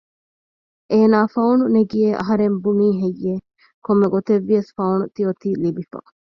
އޭނާ ފައުނު ނެގިއޭ އަހަރެން ބުނީހެއްޔެވެ؟ ކޮންމެ ގޮތެއްވިޔަސް ފައުނު ތިޔައޮތީ ލިބިފަ